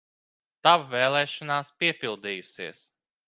Tava vēlēšanās piepildījusies!